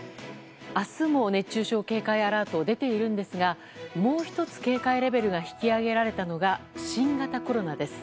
明日も熱中症警戒アラートが出ているんですがもう１つ、警戒レベルが引き上げられたのが新型コロナです。